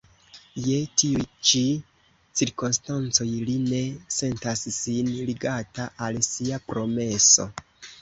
Je tiuj ĉi cirkonstancoj li ne sentas sin ligata al sia promeso.